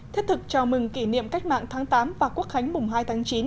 thiết thực chào mừng kỷ niệm cách mạng tháng tám và quốc khánh mùng hai tháng chín